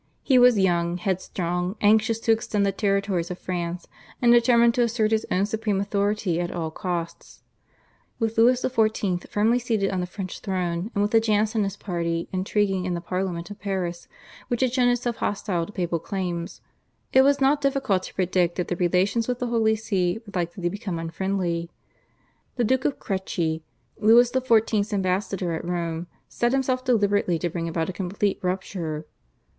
He was young, headstrong, anxious to extend the territories of France, and determined to assert his own supreme authority at all costs. With Louis XIV. firmly seated on the French throne, and with the Jansenist party intriguing in the Parliament of Paris, which had shown itself hostile to papal claims, it was not difficult to predict that the relations with the Holy See were likely to become unfriendly. The Duke of Crequi, Louis XIV.'s ambassador at Rome, set himself deliberately to bring about a complete rupture.